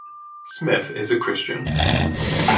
Smith is a Christian.